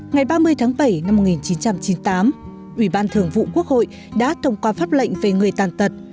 ngày ba mươi tháng bảy năm một nghìn chín trăm chín mươi tám ủy ban thường vụ quốc hội đã thông qua pháp lệnh về người tàn tật